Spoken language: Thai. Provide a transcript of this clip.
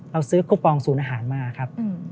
เราซื้อคูปองศูนย์อาหารมาครับ